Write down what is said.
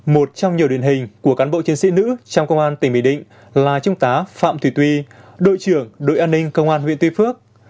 một trong nhiều điển hình của cán bộ chiến sĩ nữ trong công an tỉnh bình định là trung tá phạm thùy tuy đội trưởng đội an ninh công an huyện tuy phước